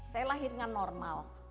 saya lahir dengan normal